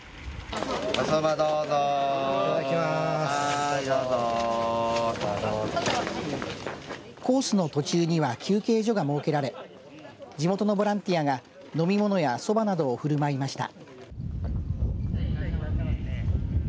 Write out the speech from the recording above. おそば、どうぞ。コースの途中には休憩所が設けられ地元のボランティアが飲み物やそばなどをふるまいました。